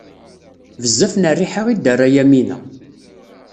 Bezzaf n rriḥa i d-terra Yamina.